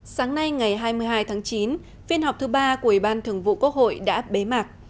sáng nay ngày hai mươi hai tháng chín phiên họp thứ ba của ủy ban thường vụ quốc hội đã bế mạc